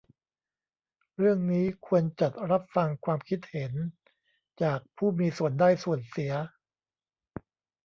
เรื่องนี้ควรจัดรับฟังความคิดเห็นจากผู้มีส่วนได้ส่วนเสีย